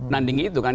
nanding itu kan